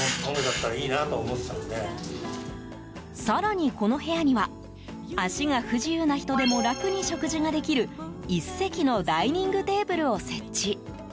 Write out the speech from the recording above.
更に、この部屋には足が不自由な人でも楽に食事ができる椅子席のダイニングテーブルを設置。